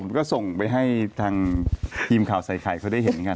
ผมก็ส่งไปให้ทางทีมข่าวใส่ไข่เขาได้เห็นกัน